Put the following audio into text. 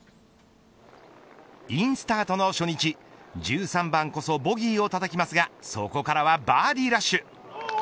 インスタートの初日１３番こそボギーをたたきますがそこからはバーディーラッシュ。